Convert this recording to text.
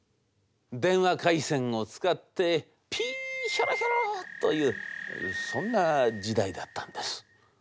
電話回線を使ってピーヒョロヒョロというそんな時代だったんです。